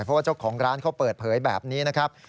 เพราะว่าเจ้าของร้านเขาเปิดเผยแบบนี้นะครับ